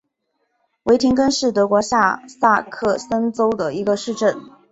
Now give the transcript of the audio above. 维廷根是德国下萨克森州的一个市镇。